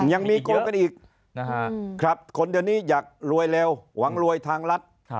ยังมีเกี่ยวกันอีกครับคนเดี๋ยวนี้อยากรวยเร็วหวังรวยทางรัฐ